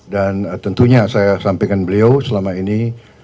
dan tentunya saya sampaikan beliau selama ini